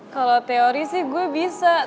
kalau teori sih gue bisa